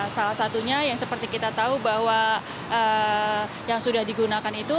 salah satunya yang seperti kita tahu bahwa yang sudah digunakan itu